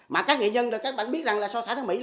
mà các nghệ nhân các bạn biết là xã thái mỹ